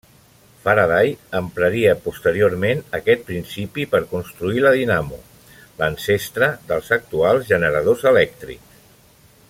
Faraday empraria posteriorment aquest principi per construir la dinamo, l'ancestre dels actuals generadors elèctrics.